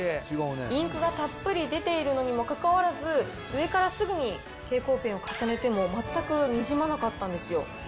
インクがたっぷり出ているのにもかかわらず、上からすぐに蛍光ペンを重ねても、全くにじまなかったんですよ。